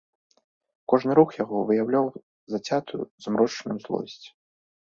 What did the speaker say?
Кожны рух яго выяўляў зацятую змрочную злосць.